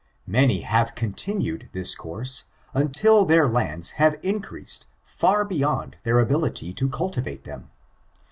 Many have continued this course until their lands have increased far beyond their ability to cultivate them.